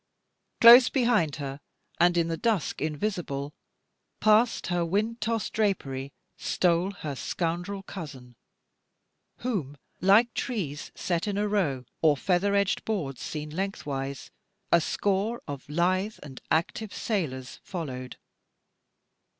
Close behind her, and in the dusk invisible past her wind tossed drapery, stole her scoundrel cousin; whom, like trees set in a row, or feather edged boards seen lengthwise, a score of lithe and active sailors followed.